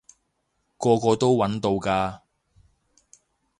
個個都搵到㗎